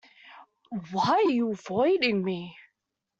Why are you avoiding me?